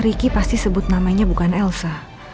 ricky pasti sebut namanya bukan elsa